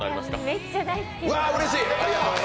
めっちゃ大好きで。